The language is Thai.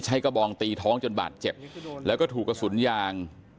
กระบองตีท้องจนบาดเจ็บแล้วก็ถูกกระสุนยาง